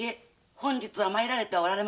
本日は参られてはおられませぬ。